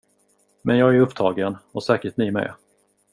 Men jag är upptagen, och säkert ni med.